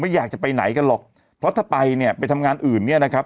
อยากจะไปไหนกันหรอกเพราะถ้าไปเนี่ยไปทำงานอื่นเนี่ยนะครับ